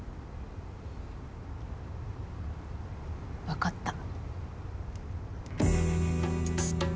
わかった。